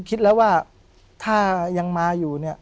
ผมก็ไม่เคยเห็นว่าคุณจะมาทำอะไรให้คุณหรือเปล่า